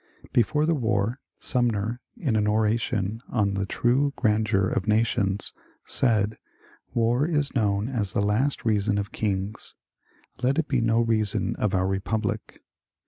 Before the war Sumner, in an oration on " The True Gran deur of Nations," said :^^ War is known as the Last Reason of Kings. Let it be no reason of our Bepublic